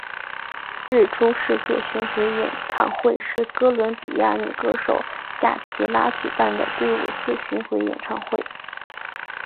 日出世界巡回演唱会是哥伦比亚女歌手夏奇拉举办的第五次巡回演唱会。